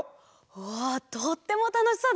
うわとってもたのしそうだね。